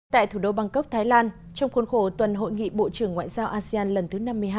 tại thủ đô bangkok thái lan trong khuôn khổ tuần hội nghị bộ trưởng ngoại giao asean lần thứ năm mươi hai